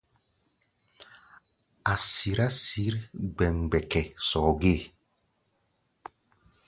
A̧ sirá sǐr gbɛmgbɛkɛ sɔɔ gée.